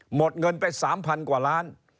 หมดเงินไปสามพันกว่าล้าน